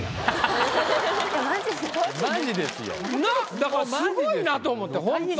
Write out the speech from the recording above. だからすごいなと思ってホント。